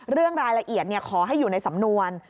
เรื่องรายละเอียดขอให้อยู่ในสำนวน